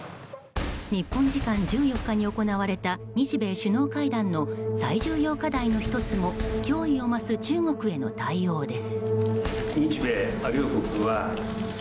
日本時間１４日に行われた日米首脳会談の最重要課題の１つも脅威を増す中国への対応です。